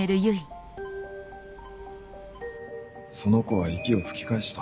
その子は息を吹き返した。